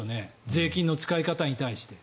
税金の使い方に対して。